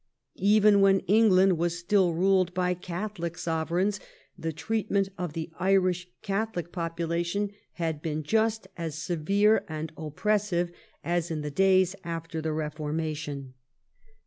Even when England was still ruled by Catholic Sovereigns the treatment of the Irish Catholic population had been just as severe and oppressive as in the days after the Eeformation.